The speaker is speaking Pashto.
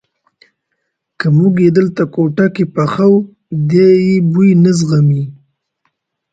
که موږ یې دلته کوټه کې پخو دی یې بوی نه زغمي.